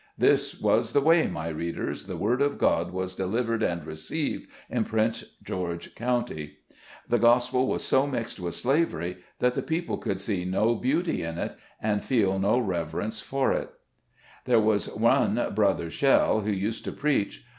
This was the way, my readers, the Word of God was delivered and received in Prince George County. The Gospel was so mixed with slavery, that the people could see no beauty in it, and feel no reverence for it. 198 SKETCHES OF SLAVE LIFE. There was one Brother Shell who used to preach.